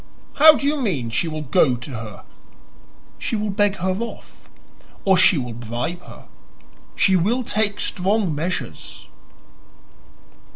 "How do you mean she will go to her?" "She will beg her off, or she will bribe her. She will take strong measures."